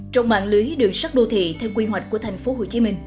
trong mạng lưới đường sắt đô thị theo quy hoạch của tp hcm